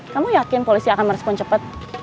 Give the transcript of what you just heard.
kamu yakin polisi akan merespon cepat